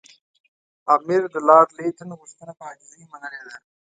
امیر د لارډ لیټن غوښتنه په عاجزۍ منلې ده.